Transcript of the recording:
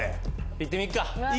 行ってみっか。